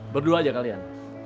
berdua aja kalian